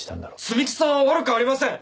摘木さんは悪くありません！